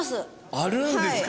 あるんですか！？